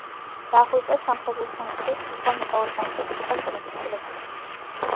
დახვრიტეს „სამხედრო ცენტრის“ სხვა მეთაურებთან ერთად ჩეკას გადაწყვეტილებით.